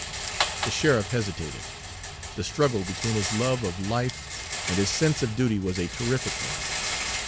The sheriff hesitated. The struggle between his love of life and his sense of duty was a terrific one.